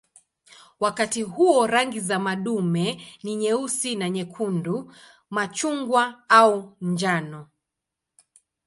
Wakati huo rangi za madume ni nyeusi na nyekundu, machungwa au njano.